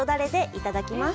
いただきます。